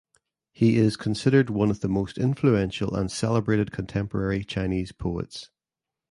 He is considered one of the most influential and celebrated contemporary Chinese poets.